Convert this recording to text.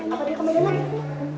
apa dia kembali lagi